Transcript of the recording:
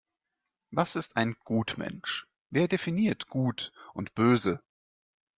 Was ist ein Gutmensch? Wer definiert Gut und Böse?